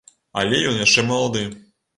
Але ён яшчэ малады.